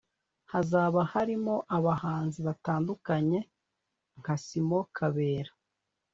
hazaba harimo abahanzi batandukanye nka Simon Kabera